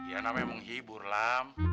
ya namanya emang hibur lam